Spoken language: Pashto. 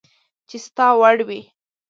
چي ستا وړ وي